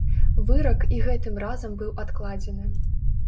Вырак і гэтым разам быў адкладзены.